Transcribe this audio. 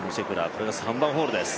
これが３番ホールです。